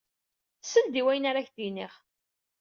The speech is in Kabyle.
Sel-d i wayen ara ak-d-iniɣ.